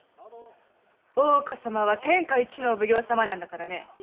大岡様は天下一のお奉行様だからね。